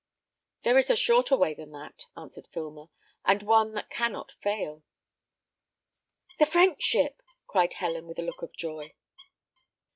"There is a shorter way than that," answered Filmer, "and one that cannot fail." "The French ship!" cried Helen, with a look of joy.